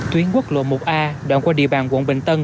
tuyến quốc lộ một a đoạn qua địa bàn quận bình tân